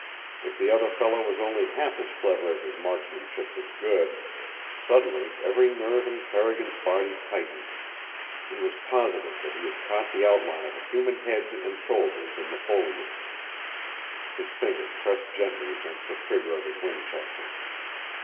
If the other fellow was only half as clever as his marksmanship was good Suddenly every nerve in Carrigan's body tightened. He was positive that he had caught the outline of a human head and shoulders in the foliage. His finger pressed gently against the trigger of his Winchester.